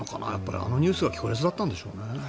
あのニュースが強烈だったんでしょうね。